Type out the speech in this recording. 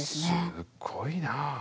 すごいな。